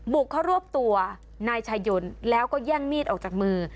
บุกเข้ารวบตัวนายชายนแล้วก็แย่งมีดออกจากมือ